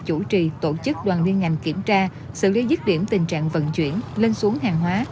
chủ trì tổ chức đoàn liên ngành kiểm tra xử lý dứt điểm tình trạng vận chuyển lên xuống hàng hóa